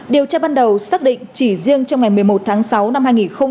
điều tra ban đầu xác định chỉ riêng trong ngày một mươi một tháng sáu năm hai nghìn hai mươi